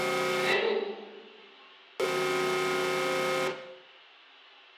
Van is now an award-winning Australian playwright.